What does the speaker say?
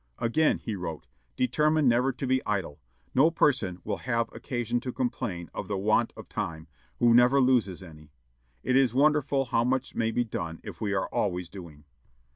Again he wrote: "Determine never to be idle. No person will have occasion to complain of the want of time, who never loses any. It is wonderful how much may be done if we are always doing."